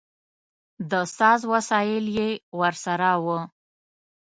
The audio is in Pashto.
د ساز وسایل یې ورسره و.